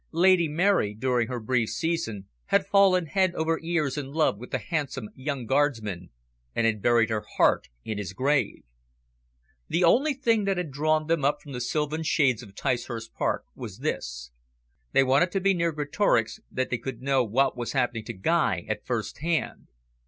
Lady Mary, during her brief season, had fallen head over ears in love with the handsome young Guardsman, and had buried her heart in his grave. The only thing that had drawn them up from the sylvan shades of Ticehurst Park was this they wanted to be near Greatorex, that they could know what was happening to Guy at first hand.